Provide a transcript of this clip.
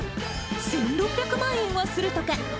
１６００万円はするとか。